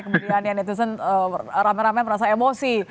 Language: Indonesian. kemudian yang dituliskan ramai ramai merasa emosi